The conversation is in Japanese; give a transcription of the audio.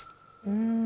うん。